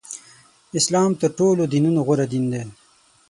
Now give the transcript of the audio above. اسلام تر ټولو دینونو غوره دین دی.